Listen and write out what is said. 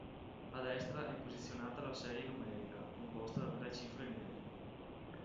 A destra è posizionata la serie numerica, composta da tre cifre nere.